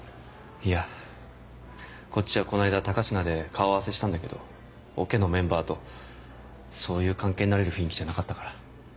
いやこっちはこの間高階で顔合わせしたんだけどオケのメンバーとそういう関係になれる雰囲気じゃなかったから。